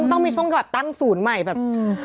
ต้องมีช่วงแบบตั้งศูนย์ใหม่แบบ